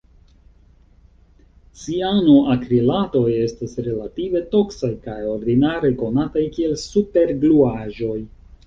Cianoakrilatoj estas relative toksaj kaj ordinare konataj kiel supergluaĵoj.